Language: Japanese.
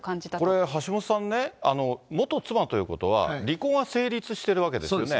これ、橋下さんね、元妻ということは、離婚は成立してるわけですよね。